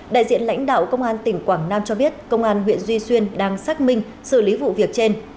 đại diện lãnh đạo công an tỉnh quảng nam cho biết công an huyện duy xuyên đang xác minh xử lý vụ việc trên